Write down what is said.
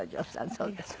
そうですか。